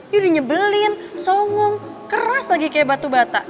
dia udah nyebelin songong keras lagi kayak batu bata